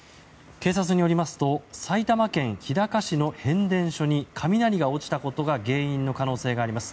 警察によりますと埼玉県日高市の変電所に雷が落ちたことが原因の可能性があります。